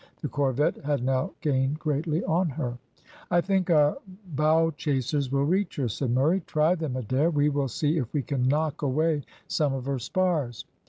The corvette had now gained greatly on her. "I think our bow chasers will reach her," said Murray. "Try them, Adair; we will see if we can knock away some of her spars."